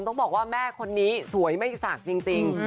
น้องบอกว่าแม่คนนี้สวยไหมสักจริง